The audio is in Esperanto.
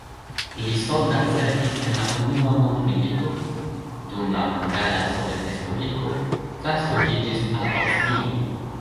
Li soldatservis en la unua mondmilito, dum la Hungara Sovetrespubliko translokiĝis al Aŭstrio.